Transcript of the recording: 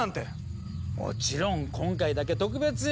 もちろん今回だけ特別よ。